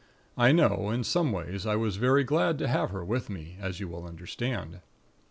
I know, in some ways, I was very glad to have her with me, as you will understand.